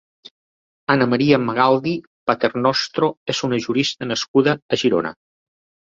Ana María Magaldi Paternostro és una jurista nascuda a Girona.